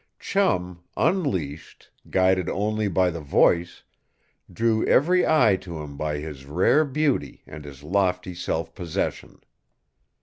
Chum, unleashed, guided only by the voice, drew every eye to him by his rare beauty and his lofty self possession.